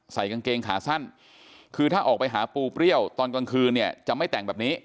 กางเกงขาสั้นคือถ้าออกไปหาปูเปรี้ยวตอนกลางคืนเนี่ยจะไม่แต่งแบบนี้